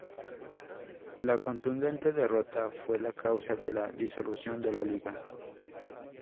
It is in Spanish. La contundente derrota fue la causa de la disolución de la Lliga.